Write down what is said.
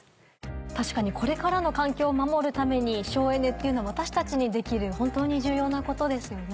確かにこれからの環境を守るために省エネっていうのは私たちにできる本当に重要なことですよね。